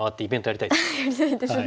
やりたいですね。